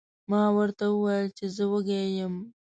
ما ورته وویل چې زه وږی یم.